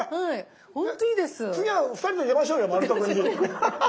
次は２人で出ましょうよ「まる得」に。